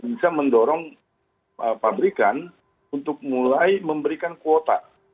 bisa mendorong pabrikan untuk mulai memberikan kuota